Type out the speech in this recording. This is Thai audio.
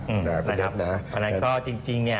เพราะฉะนั้นก็จริงเนี่ย